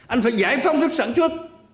anh phải giải phóng sản xuất